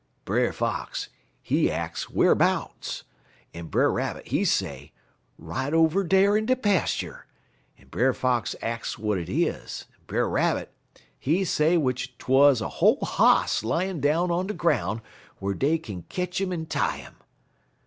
"Brer Fox, he ax wharbouts, en Brer Rabbit, he say, right over dar in de pastur', en Brer Fox ax w'at is it, en Brer Rabbit, he say w'ich 'twuz a whole Hoss layin' down on de groun' whar dey kin ketch 'im en tie 'im.